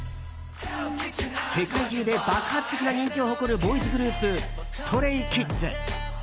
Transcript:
世界中で爆発的な人気を誇るボーイズグループＳｔｒａｙＫｉｄｓ。